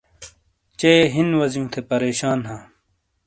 چے ہین وازیوں تھے پریشان ہاں۔